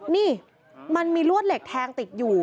นี่มันมีลวดเหล็กแทงติดอยู่